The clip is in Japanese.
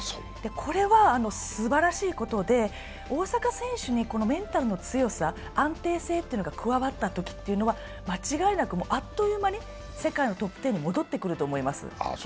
これはすばらしいことで、大坂選手に、このメンタルの強さ、安定性というのが加わったときというのは間違いなくあっという間に世界のトップ１０に戻ってくると思います。